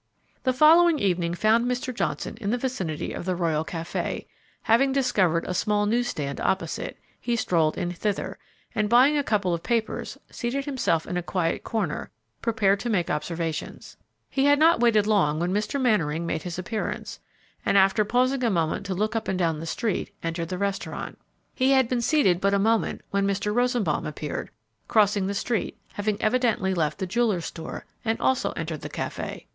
The following evening found Mr. Johnson in the vicinity of the Royal Café; having discovered a small newsstand opposite, he strolled in thither, and, buying a couple of papers, seated himself in a quiet corner, prepared to take observations. He had not waited long when Mr. Mannering made his appearance, and, after pausing a moment to look up and down the street, entered the restaurant. He had been seated but a moment when Mr. Rosenbaum appeared, crossing the street, having evidently left the jeweller's store, and also entered the café.